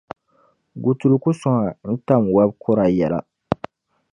Gutulu ku sooŋa, n-tam wɔbi’ kura yɛla.